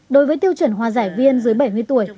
đối với tiêu chuẩn hòa giải viên dưới bảy mươi tuổi